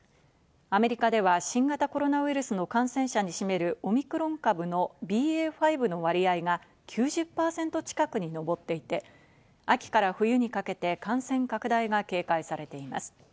アメリカでは新型コロナウイルスの感染者に占めるオミクロン株のＢＡ．５の割合が９０％近くに上っていて、秋から冬にかけて感染拡大が警戒されています。